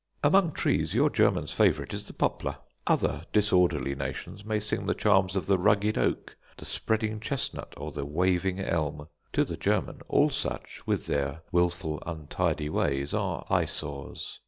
Among trees, your German's favourite is the poplar. Other disorderly nations may sing the charms of the rugged oak, the spreading chestnut, or the waving elm. To the German all such, with their wilful, untidy ways, are eyesores.